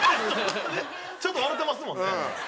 ちょっと笑うてますもんね。